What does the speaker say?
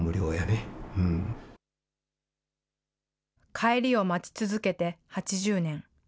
帰りを待ち続けて８０年。